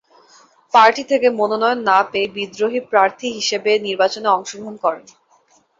Party থেকে মনোনয়ন না পেয়ে বিদ্রোহী প্রার্থী হিসেবে নির্বাচনে অংশগ্রহণ করেন।